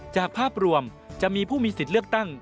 จากภาพรวมจะมีผู้มีสิทธิ์เลือกตั้ง